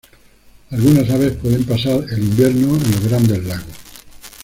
Algunas aves pueden pasar el invierno en los Grandes Lagos.